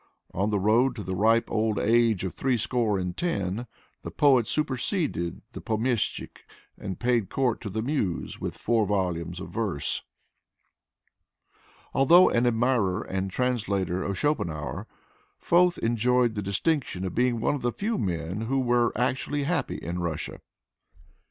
On the road to the ripe old age of three score and ten, the poet superseded the pomeshchik and paid court to the Muse with four volumes of verse. Although an admirer and translator of Schopenhauer, Foeth enjoyed the distinction of being one of the few men who were actually happy in Russia.